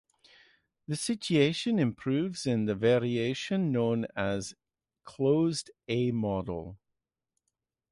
The situation improves in the variation known as closed A-model.